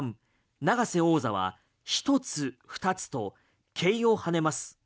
永瀬王座は１つ、２つと桂を跳ねます。